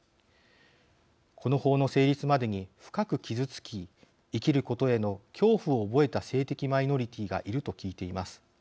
この法の成立までに深く傷つき生きることへの恐怖を覚えた性的マイノリティーがいると聞いています。